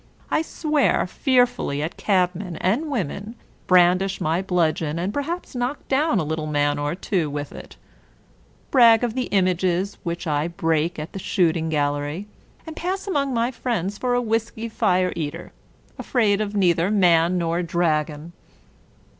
I swear fearfully at cabmen and women; brandish my bludgeon, and perhaps knock down a little man or two with it : brag of the images which I break at the shooting gal lery, and pass among my friends for a whiskery fire eater, afraid of neither man nor dragon.